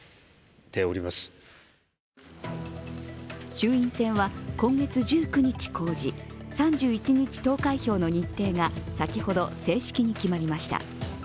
衆院選は今月１９日公示３１日投開票の日程が先ほど正式に決まりました。